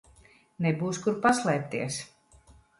Nebūs kur paslēpties.